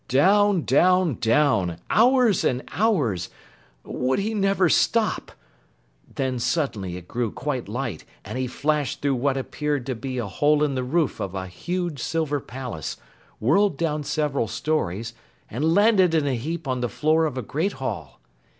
Down down down hours and hours! Would he never stop? Then suddenly it grew quite light, and he flashed through what appeared to be a hole in the roof of a huge silver palace, whirled down several stories and landed in a heap on the floor of a great hall.